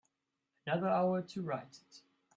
Another hour to write it.